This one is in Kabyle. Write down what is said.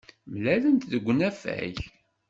Mlalent deg unafag.